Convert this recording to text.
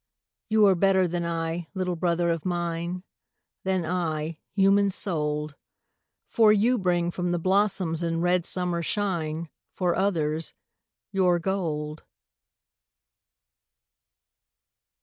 You are better than I, little brother of mine, Than I, human souled, For you bring from the blossoms and red summer shine, For others, your gold.